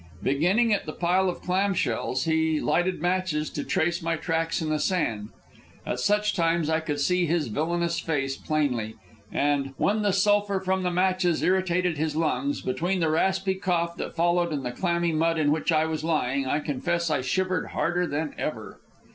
Beginning at the pile of clam shells, he lighted matches to trace my tracks in the sand. At such times I could see his villanous face plainly, and, when the sulphur from the matches irritated his lungs, between the raspy cough that followed and the clammy mud in which I was lying, I confess I shivered harder than ever.